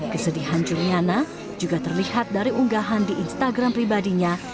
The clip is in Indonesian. kesedihan juliana juga terlihat dari unggahan di instagram pribadinya